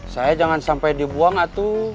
saya jangan sampai dibuang atau